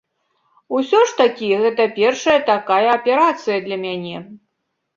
Усё ж такі гэта першая такая аперацыя для мяне.